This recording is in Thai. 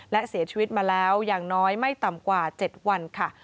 และเสียชีวิตมาแล้วอย่างน้อยไม่ต่ำกว่า๗วันค่ะ